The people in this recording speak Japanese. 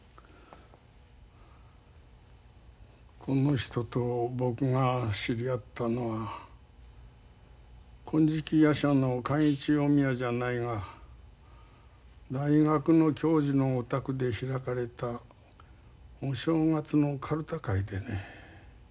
この人と僕が知り合ったのは「金色夜叉」の貫一お宮じゃないが大学の教授のお宅で開かれたお正月のカルタ会でね。